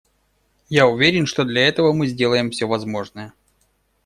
Я уверен, что для этого мы сделаем все возможное.